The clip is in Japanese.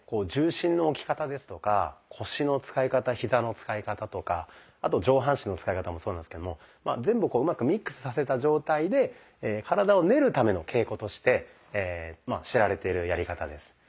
重心の置き方ですとか腰の使い方ヒザの使い方とかあと上半身の使い方もそうなんですけども全部をうまくミックスさせた状態でとして知られているやり方です。